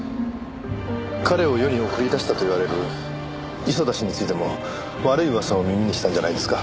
彼を世に送り出したと言われる磯田氏についても悪い噂を耳にしたんじゃないですか？